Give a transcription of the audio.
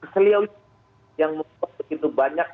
beliau yang membuat begitu banyak